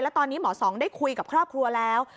และตอนนี้หมอสองได้คุยกับครอบครัวแล้ว